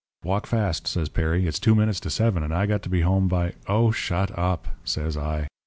"'Walk fast,' says Perry, 'it's two minutes to seven, and I got to be home by ' "'Oh, shut up,' says I.